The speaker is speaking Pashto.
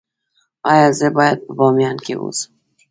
ایا زه باید په بامیان کې اوسم؟